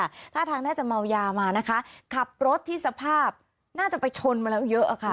ท่าทางน่าจะเมายามานะคะขับรถที่สภาพน่าจะไปชนมาแล้วเยอะอะค่ะ